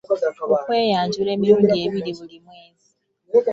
Okweyanjula emirundi ebiri buli mwezi.